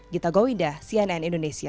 gita gowinda cnn indonesia